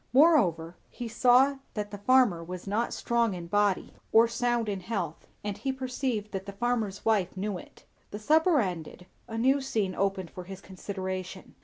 Moreover, he saw that the farmer was not strong in body or sound in health, and he perceived that the farmer's wife knew it. The supper ended, a new scene opened for his consideration.